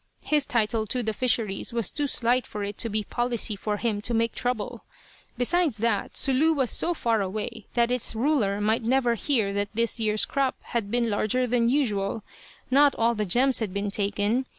His title to the fisheries was too slight for it to be policy for him to make trouble. Besides that, Sulu was so far away that its ruler might never hear that this year's crop had been larger than usual. Not all the gems had been taken.